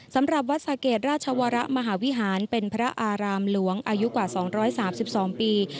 สำหรับวัดสะเกดราชวรมหาวิหารเป็นพระอารามหลวงอายุกว่า๒๓๒ปี